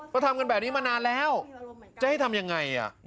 ก็ทำกันแบบนี้มานานแล้วจะให้ทำยังไง